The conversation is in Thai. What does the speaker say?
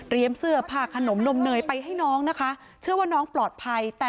เสื้อผ้าขนมนมเนยไปให้น้องนะคะเชื่อว่าน้องปลอดภัยแต่